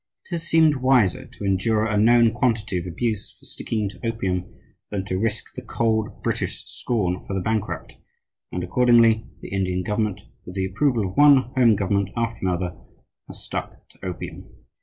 It has seemed wiser to endure a known quantity of abuse for sticking to opium than to risk the cold British scorn for the bankrupt; and, accordingly, the Indian government with the approval of one Home government after another, has stuck to opium.